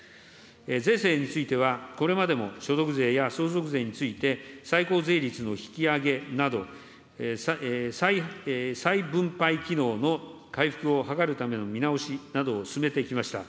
税制については、これまでも所得税や相続税について最高税率の引き上げなど、再分配機能の回復を図るための見直しなどを進めてきました。